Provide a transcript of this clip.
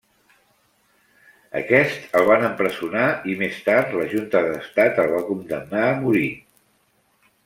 Aquests el van empresonar i més tard, la Junta d'Estat el va condemnar a mort.